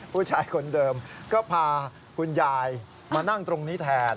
ผู้ชายคนเดิมก็พาคุณยายมานั่งตรงนี้แทน